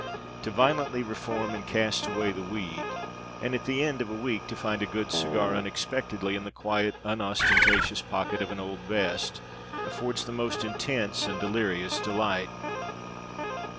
To violently reform and cast away the weed and at the end of a week to find a good cigar unexpectedly in the quiet, unostentatious pocket of an old vest, affords the most intense and delirious delight.